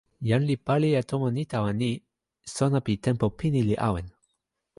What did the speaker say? jan li pali e tomo ni tawa ni: sona pi tenpo pini li awen.